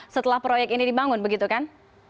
setelah proyek ini dibangun begitu kan